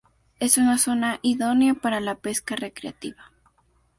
Es una zona idónea para la pesca recreativa.